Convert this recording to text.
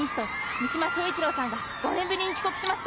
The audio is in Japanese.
三島彰一郎さんが５年ぶりに帰国しました。